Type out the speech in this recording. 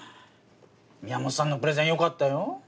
皆本さんのプレゼンよかったよ。